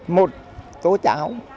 một tố cháo